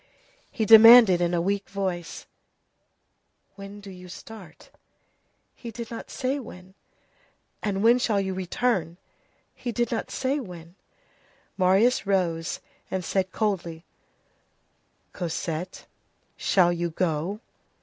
He demanded in a weak voice:— "And when do you start?" "He did not say when." "And when shall you return?" "He did not say when." Marius rose and said coldly:— "Cosette, shall you go?"